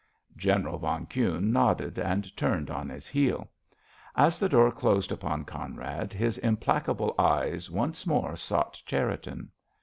General von Kuhne nodded and turned on his heel. As the door closed upon Conrad, his implacable eyes once more sought Cherriton.